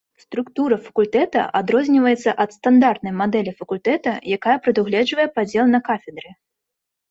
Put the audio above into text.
Структура факультэта адрозніваецца ад стандартнай мадэлі факультэта, якая прадугледжвае падзел на кафедры.